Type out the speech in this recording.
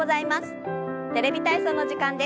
「テレビ体操」の時間です。